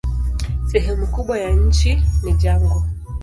Sehemu kubwa ya nchi ni jangwa.